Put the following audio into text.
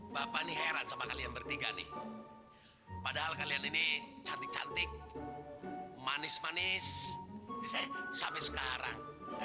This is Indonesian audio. bapak ini heran sama kalian bertiga nih padahal kalian ini cantik cantik manis manis sampai sekarang